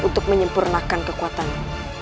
untuk menyempurnakan kekuatannya